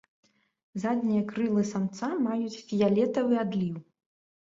Заднія крылы самца маюць фіялетавы адліў.